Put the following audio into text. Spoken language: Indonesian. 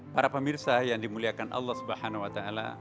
para pemirsa yang dimuliakan allah swt